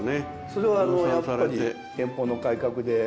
それはやっぱり天保の改革で。